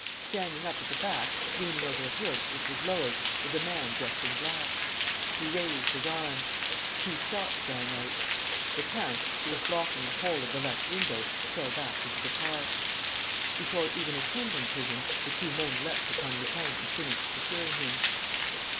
Standing up at the back, leaning over the hood, which was lowered, was a man dressed in black. He raised his arm. Two shots rang out. The count, who was blocking the whole of the left window, fell back into the car. Before even attending to him, the two men leapt upon Lupin and finished securing him.